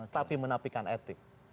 tapi menampikan etik